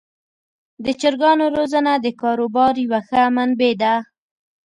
د چرګانو روزنه د کاروبار یوه ښه منبع ده.